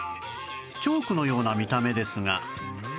チョークのような見た目ですが